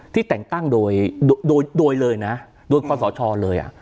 ที่แต่งตั้งโดยโดยเลยนะโดยความสชเลยอ่ะ